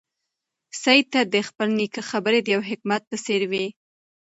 سعید ته د خپل نیکه خبرې د یو حکمت په څېر وې.